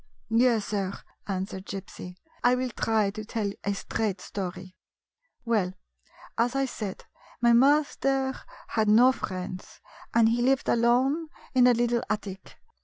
" Yes, sir," answered Gypsy, " I will try to tell a straight story. Well, as I said, my master had no friends, and he lived alone in a little attic.